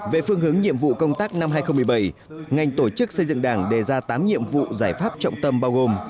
về phương hướng nhiệm vụ công tác năm hai nghìn một mươi bảy ngành tổ chức xây dựng đảng đề ra tám nhiệm vụ giải pháp trọng tâm bao gồm